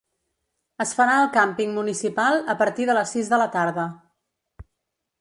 Es farà al càmping municipal a partir de les sis de la tarda.